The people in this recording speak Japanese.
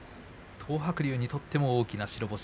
東白龍にとっても大きな白星。